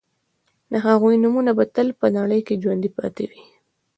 د هغوی نومونه به تل په نړۍ کې ژوندي پاتې وي